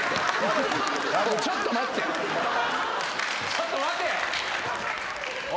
ちょっと待て！